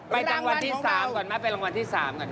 ไปจางวัลที่สามก่อนแม่ไปรางวัลที่สาม